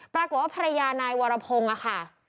ปรากฏว่าพระยานายวรพงษ์